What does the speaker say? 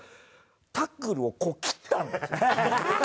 タックルをこう切ったんですよ。